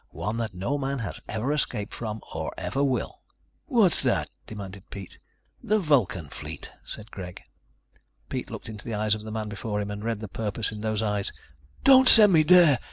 "One that no man has ever escaped from, or ever will." "What's that?" demanded Pete. "The Vulcan Fleet," said Greg. Pete looked into the eyes of the man before him and read the purpose in those eyes. "Don't send me there!